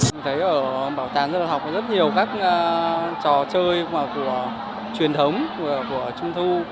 mình thấy ở bảo tàng dân tộc việt nam học rất nhiều các trò chơi của truyền thống của trung thu